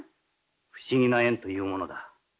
不思議な縁というものだ。